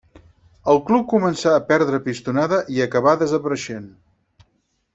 El club començà a perdre pistonada i acabà desapareixent.